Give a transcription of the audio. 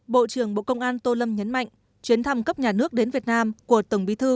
bộ trưởng bộ công an tô lâm nhấn mạnh chuyến thăm cấp nhà nước đến việt nam của tổng bí thư